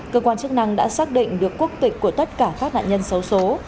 cơ quan chức năng đã xác định được quốc tịch của tất cả các nạn nhân số số